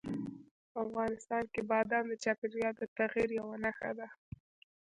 افغانستان کې بادام د چاپېریال د تغیر یوه نښه ده.